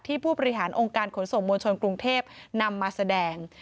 ผู้บริหารองค์การขนส่งมวลชนกรุงเทพนำมาแสดง